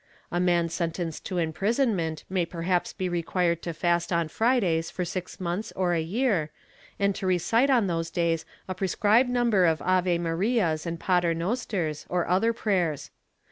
A man sentenced to imprisonment may perhaps be required to fast on Fridays for six months or a year, and to recite on those days a prescribed number of Ave Marias and Paternosters or other prayers.